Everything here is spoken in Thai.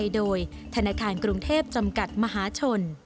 โดยธนาคารกรุงเทพจำกัดมหาชน